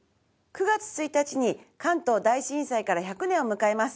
９月１日に関東大震災から１００年を迎えます。